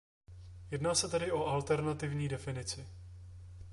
Jedná se tedy o alternativní definici.